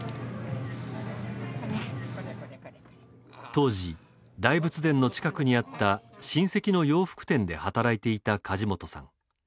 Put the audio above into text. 当時、大仏殿の近くにあった親戚の洋服店で働いていた梶本さん。